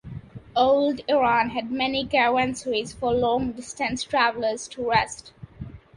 Old Iran had many Caravanserais for long distance travelers to rest.